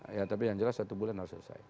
ya tapi yang jelas satu bulan harus selesai